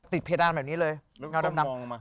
ติดเพลดด้านแบบนี้เลยเงาดำ